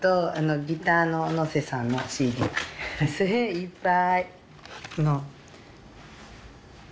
いっぱい。